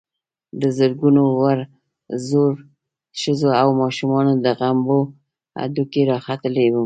د زرګونو وړو_ زړو، ښځو او ماشومانو د غومبرو هډوکي را ختلي ول.